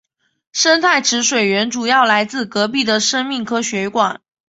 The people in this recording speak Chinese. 生态池水源主要来自隔壁的生命科学馆。